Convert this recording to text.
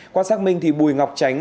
qua xác minh thì bùi ngọc tránh